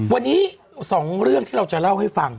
วันนี้๒เรื่องที่เราจะเล่าให้ฟัง